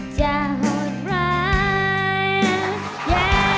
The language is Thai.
จะห่วงร้าย